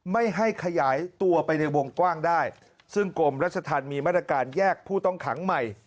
ไม่ให้ขยายตัวไปในวงกว้างได้ซึ่งกรมรัชธรรมมีมาตรการแยกผู้ต้องขังใหม่